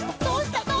どうした？」